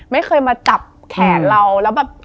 ไม่เคยมาจับแขนเราแล้วแบบ